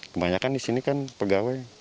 kebanyakan di sini kan pegawai